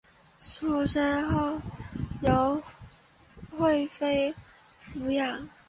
出生后由惠妃抚养。